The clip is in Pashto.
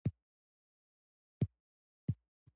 هغه خلک چې سابه خوړلي بدن یې ښه بوی لري.